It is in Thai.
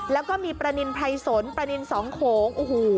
แล้วก็มีปลานินไพรสนปลานินสองโขง